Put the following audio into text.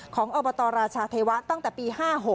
อบตราชาเทวะตั้งแต่ปี๕๖